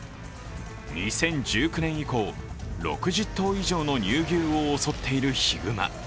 ２０１９年以降、６０頭以上の乳牛を襲っているヒグマ。